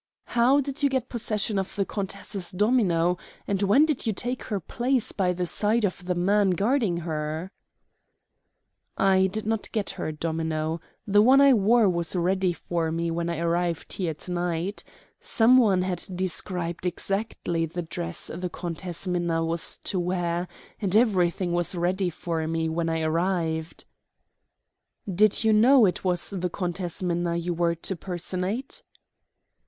"How did you get possession of the countess's domino, and when did you take her place by the side of the man guarding her?" "I did not get her domino. The one I wore was ready for me when I arrived here to night. Some one had described exactly the dress the Countess Minna was to wear, and everything was ready for me when I arrived." "Did you know it was the Countess Minna you were to personate?"